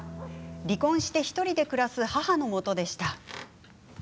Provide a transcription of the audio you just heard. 離婚して１人で暮らす母のもとでした。